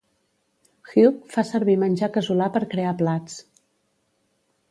Hugh fa servir menjar casolà per crear plats.